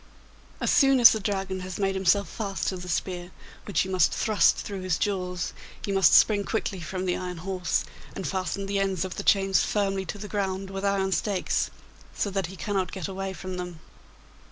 As soon as the Dragon has made himself fast to the spear, which you must thrust through his jaws, you must spring quickly from the iron horse and fasten the ends of the chains firmly to the ground with iron stakes, so that he cannot get away from them.